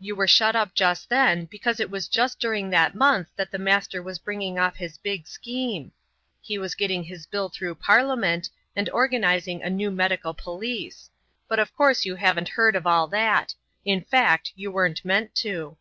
"You were shut up just then because it was just during that month that the Master was bringing off his big scheme. He was getting his bill through Parliament, and organizing the new medical police. But of course you haven't heard of all that; in fact, you weren't meant to."